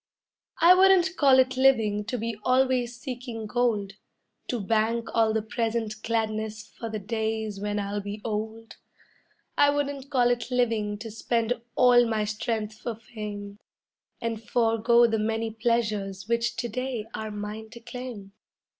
I wouldn't call it living to be always seeking gold, To bank all the present gladness for the days when I'll be old. I wouldn't call it living to spend all my strength for fame, And forego the many pleasures which to day are mine to claim.